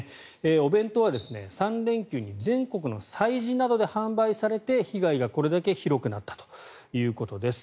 お弁当は３連休に全国の催事などで販売されて、被害がこれだけ広くなったということです。